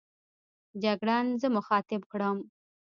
جګړن زه مخاطب کړم.